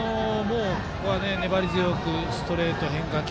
粘り強くストレートと変化球。